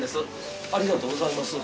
ありがとうございます。